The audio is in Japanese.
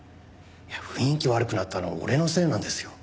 雰囲気悪くなったの俺のせいなんですよ。